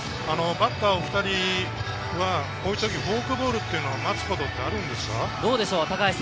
バッター２人は、こういう時、フォークボールを待つことにはなるんですか？